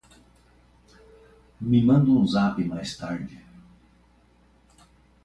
Me manda um zap mais tarde